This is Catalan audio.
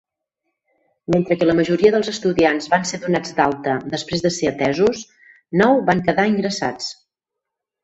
Mentre que la majoria dels estudiants van ser donats d'alta després de ser atesos, nou van quedar ingressats.